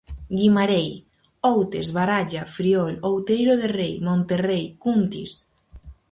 Guimarei: Outes, Baralla, Friol, Outeiro de Rei, Monterrei, Cuntis.